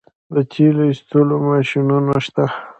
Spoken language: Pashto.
د تیلو د ایستلو ماشینونه شته.